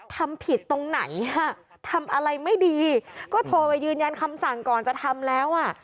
ทำผิดตรงไหนอ่ะทำอะไรไม่ดีก็โทรไปยืนยันคำสั่งก่อนจะทำแล้วอ่ะ